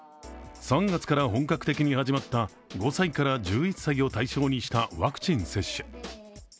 ３月から本格的に始まった５歳から１１歳を対象にしたワクチン接種。